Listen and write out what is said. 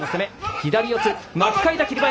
左四つ。